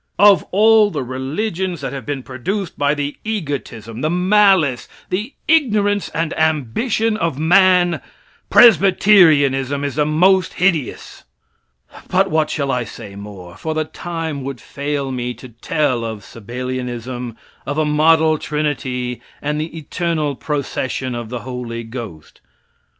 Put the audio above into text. Of all the religions that have been produced by the egotism, the malice, the ignorance and ambition of man, Presbyterianism is the most hideous. But what shall I say more? for the time would fail me to tell of Sabellianism, of a "Model trinity" and the "eternal procession of the Holy Ghost."